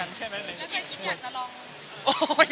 แล้วแค่คิดอยากจะลอง